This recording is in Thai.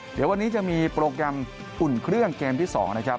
เดี๋ยววันนี้จะมีโปรแกรมอุ่นเครื่องเกมที่๒นะครับ